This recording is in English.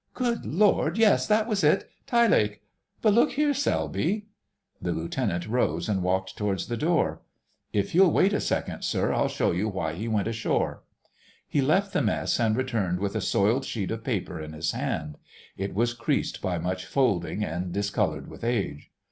"Good Lord! Yes, that was it—Tyelake. But look here, Selby,——" The Lieutenant rose and walked towards the door. "If you'll wait a second, sir, I'll show you why he went ashore." He left the mess and returned with a soiled sheet of paper in his hand; it was creased by much folding and discoloured with age.